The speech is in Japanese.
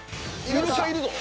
イルカいるぞ。